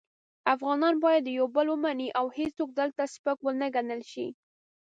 افغانان باید یو بل ومني او هیڅوک دلته سپک و نه ګڼل شي.